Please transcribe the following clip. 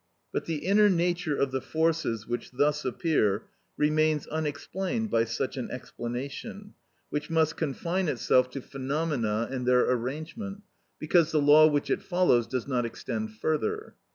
But the inner nature of the forces which thus appear remains unexplained by such an explanation, which must confine itself to phenomena and their arrangement, because the law which it follows does not extend further.